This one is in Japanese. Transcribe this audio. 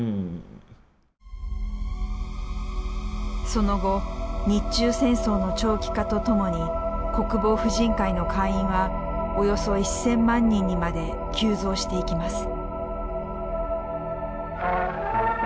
その後日中戦争の長期化とともに国防婦人会の会員はおよそ１，０００万人にまで急増していきます。